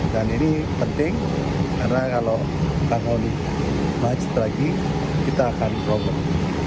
dan ini penting karena kalau akan maju lagi kita akan promosi